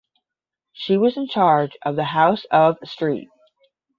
She was in charge of the house of St.